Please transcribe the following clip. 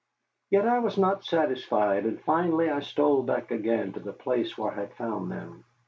Yet I was not satisfied, and finally stole back again to the place where I had found them.